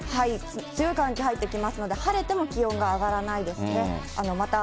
強い寒気入ってきますので、晴れても気温が上がらないですね。